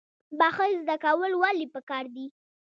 بخښل زده کول ولې پکار دي؟